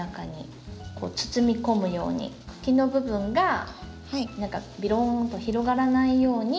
こう包み込むように茎の部分が何かビローンと広がらないように。